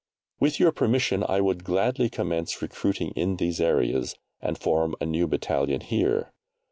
With your permission I would gladly commence recruiting in these areas, and form a new battalion here.